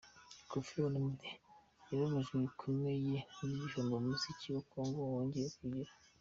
Koffi Olomide yababajwe bikomeye n’igihombo umuziki wa Congo wongeye kugira